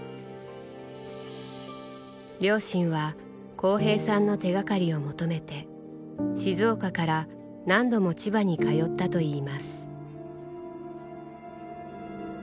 両親は光平さんの手がかりを求めて静岡から何度も千葉に通ったといいます。